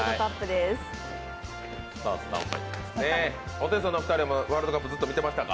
ホテイソンの２人もワールドカップずっと見てましたか。